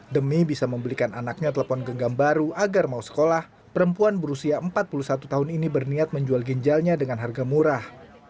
demi bisa membelikan anaknya telepon genggam baru agar mau sekolah perempuan berusia empat puluh satu tahun ini berniat menjual ginjalnya dengan harga murah